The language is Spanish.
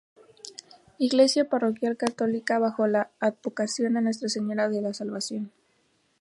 Iglesia parroquial católica bajo la advocación de Nuestra Señora de la Salvación.